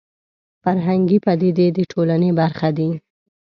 فرهنګي پدیدې د ټولنې برخه دي